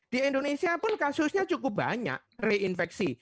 di indonesia pun kasusnya cukup banyak reinfeksi